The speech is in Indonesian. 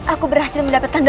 aku berhasil mendapatkan